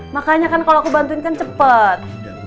makanya kan kalau aku bantuin kan cepat